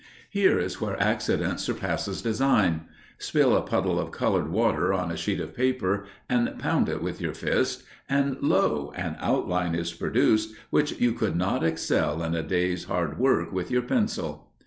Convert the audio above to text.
Here is where accident surpasses design. Spill a puddle of coloured water on a sheet of paper and pound it with your fist, and lo, an outline is produced which you could not excel in a day's hard work with your pencil!